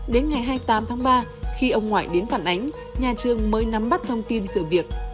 đến ngày hai mươi tám tháng ba khi ông ngoại đến phản ánh nhà trường mới nắm bắt thông tin sự việc